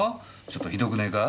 ちょっとひどくねえか？